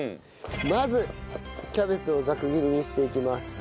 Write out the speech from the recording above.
まずキャベツをざく切りにしていきます。